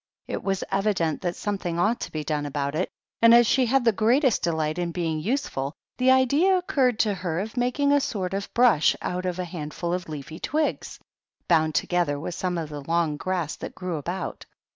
It was evident that something ought to be done about it ; and as she had the greatest delight in being useful, the idea occurred to her of making a sort of brush out of a handful of leafy twigs, bound together with some of the long grass that grew about.